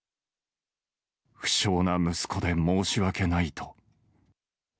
不肖な息子で申し訳ないと。